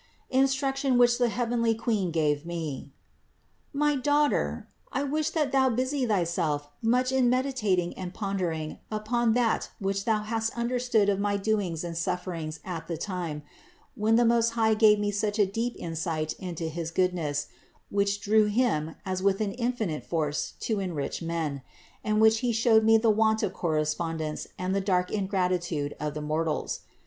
INSTRUCTION WHICH THE HEAVENLY QUEEN GAVE ME. 45. My dearest daughter, I wish that thou busy thyself much in meditating and pondering upon that which thou hast understood of my doings and sufferings at the time, when the Most High gave me such a deep insight into his goodness, which drew Him as with an infinite force to enrich men, and when He showed me the want of cor respondence and the dark ingratitude of the mortals.